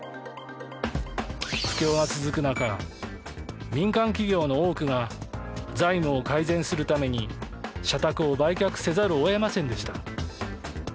不況が続く中、民間企業の多くが財務を改善するために社宅を売却せざるを得ませんでした。